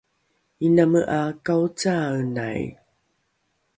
iname ’a kaocaaenai